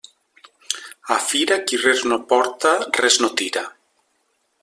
A fira, qui res no porta, res no tira.